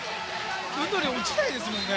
運動量、落ちないですもんね。